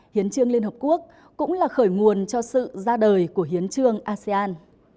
hiến trương liên hợp quốc cũng là khởi nguồn cho sự ra đời của hiến trương asean